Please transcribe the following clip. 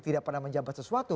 tidak pernah menjabat sesuatu